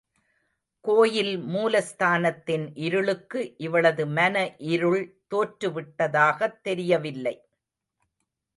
கோயில் மூலஸ்தானத்தின் இருளுக்கு இவளது மன இருள் தோற்றுவிட்டதாகத் தெரியவில்லை.